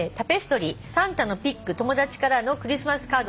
サンタのピック友達からのクリスマスカード